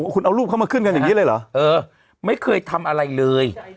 คุณเอารูปเข้ามาขึ้นกันอย่างนี้เลยเหรอเออไม่เคยทำอะไรเลย